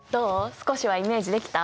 少しはイメージできた？